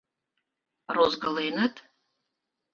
Розгыленыт?